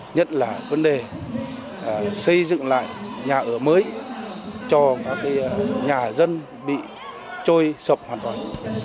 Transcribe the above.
nhất là vấn đề xây dựng lại nhà ở mới cho các nhà dân bị trôi sập hoàn toàn